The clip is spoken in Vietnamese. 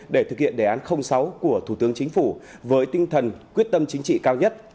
để thực hiện đề án sáu của thủ tướng chính phủ với tinh thần quyết tâm chính trị cao nhất